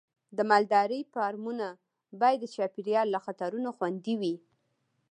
د مالدارۍ فارمونه باید د چاپېریال له خطرونو خوندي وي.